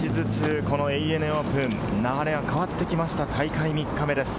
少しずつＡＮＡオープン、流れが変わってきました。